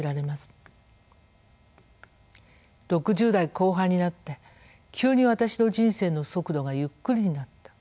６０代後半になって急に私の人生の速度がゆっくりになった。